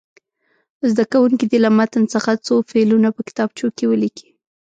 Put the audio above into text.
زده کوونکي دې له متن څخه څو فعلونه په کتابچو کې ولیکي.